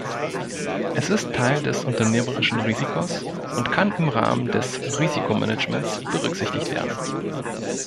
Es ist Teil des unternehmerischen Risikos und kann im Rahmen des Risikomanagements berücksichtigt werden.